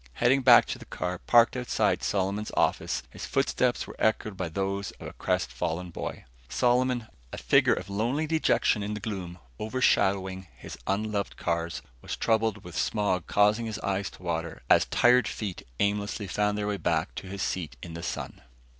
Heading back to the car parked outside Solomon's office, his footsteps were echoed by those of a crestfallen boy. Solomon, a figure of lonely dejection in the gloom overshadowing his unloved old cars, was troubled with smog causing his eyes to water as tired feet aimlessly found their way back to his seat in the sun.